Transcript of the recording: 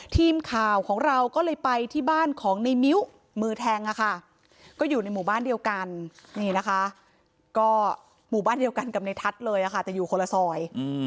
ทีมข่าวของเราก็เลยไปที่บ้านของในมิ้วมือแทงก็อยู่ในหมู่บ้านเดียวกันนี่นะคะก็หมู่บ้านเดียวกันกับในทัศน์เลยค่ะแต่อยู่คนละซอย